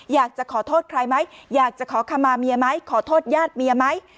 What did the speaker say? อยากจะขอโทษใครไหมอยากจะขอคำมาเมียไหมขอโทษญาติเมียไหม